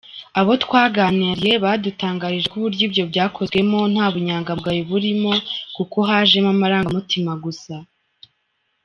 Abo twaganiriye badutangarije ko uburyo ibyo byakozwemo nta bunyangamugayo burimo, kuko hajemo amarangamutima gusa.